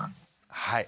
はい。